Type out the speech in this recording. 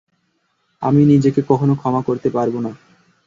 আমি নিজেকে কখনো ক্ষমা করতে পারবো না।